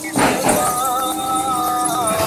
ক্ষণেকের জন্য সে স্বরূপ ফিরিয়া পায়, ঈশ্বরই হইয়া যায়।